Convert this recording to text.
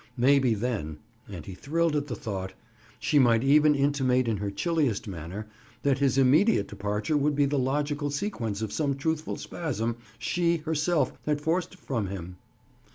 Maybe then (and he thrilled at the thought), she might even intimate in her chilliest manner that his immediate departure would be the logical sequence of some truthful spasm she, herself, had forced from him?